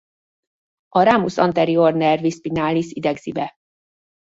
A ramus anterior nervi spinalis idegzi be.